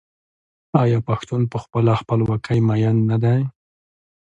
آیا پښتون په خپله خپلواکۍ مین نه دی؟